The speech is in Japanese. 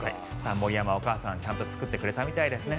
森山お母さんちゃんと作ってくれたみたいですね。